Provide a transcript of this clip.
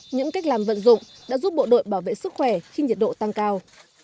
những cách làm vận dụng đã giúp bộ đội bảo vệ sức khỏe khi nhiệt độ tăng cao